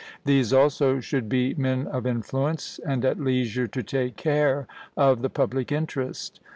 These also should be men of influence, and at leisure to take care of the public interest.